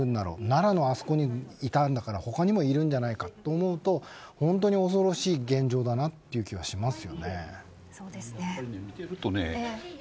奈良にいたんだから他にもいるんじゃないかと思うと本当に恐ろしい現状だなという気はします。